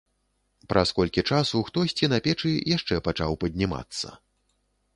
Праз колькі часу хтосьці на печы яшчэ пачаў паднімацца.